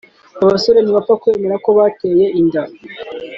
Abasore ntibapfa kwemera ko bateye inda